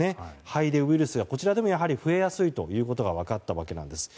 肺でウイルスがこちらでもやはり増えやすいということが分かったわけです。